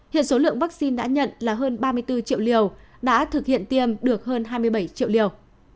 hiện số lượng vaccine đã nhận là hơn ba mươi bốn triệu liều đã thực hiện tiêm được hơn hai mươi bảy triệu liều